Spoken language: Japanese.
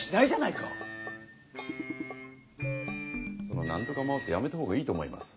その何とか魔王ってやめた方がいいと思います。